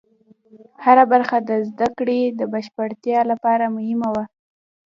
هره برخه د زده کړې د بشپړتیا لپاره مهمه وه.